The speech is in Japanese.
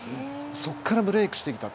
そこからブレークしました。